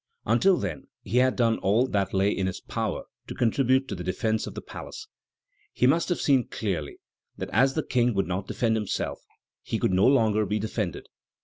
Until then he had done all that lay in his power to contribute to the defence of the palace. He must have seen clearly that as the King would not defend himself, he could no longer be defended.